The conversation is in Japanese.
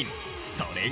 それが。